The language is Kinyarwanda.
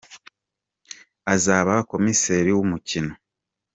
azaba Komiseri w’umukino.